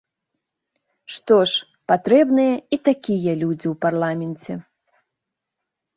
Што ж, патрэбныя і такія людзі ў парламенце!